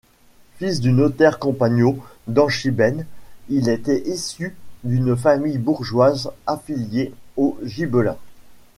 Fils du notaire Compagno d’Anchibene, il était issu d'une famille bourgeoise affiliée aux gibelins.